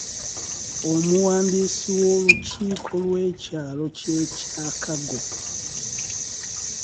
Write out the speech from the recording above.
Omuwandiisi w’olukiiko lw’ekyalo kye Kyakago.